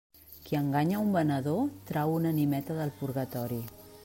Qui enganya un venedor, trau una animeta del purgatori.